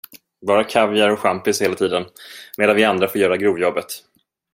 Bara kaviar och champis hela tiden, medan vi andra får göra grovjobbet.